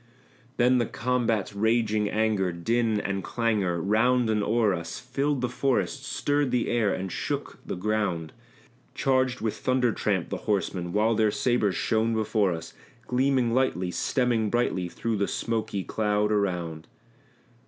Then the combat's raging anger, din, and clangor, round and o'er us Filled the forest, stirred the air, and shook the ground; Charged with thunder tramp the horsemen, while their sabres shone before us, Gleaming lightly, streaming brightly, through the smoky cloud around.